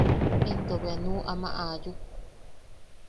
Into bea nuu ama aayuk.